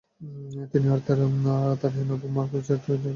তিনি Arthur Hay, নবম marquess of টুইডেল-এর বোনপো ছিলেন।